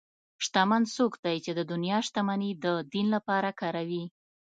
شتمن څوک دی چې د دنیا شتمني د دین لپاره کاروي.